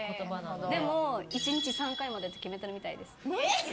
でも、１日３回までって決めてるみたいです。